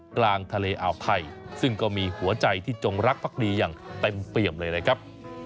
กลางทะเลอ่าวไทยซึ่งก็มีหัวใจที่จงรักภักดีอย่างเต็มเปี่ยมเลยนะครับ